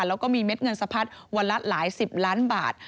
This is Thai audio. แล้วก็มีเม็ดเงินสะพัดวันละหลายสิบล้านบาท